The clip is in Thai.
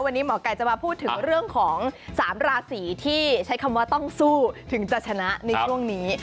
วันนี้หมอไก่จะมาพูดถึงเรื่องของ๓ราศีที่ใช้คำว่าต้องสู้ถึงจะชนะในช่วงนี้